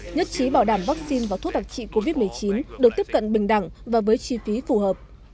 nhất trí bảo đảm vaccine và thuốc đặc trị covid một mươi chín được tiếp cận bình đẳng và với chi phí phù hợp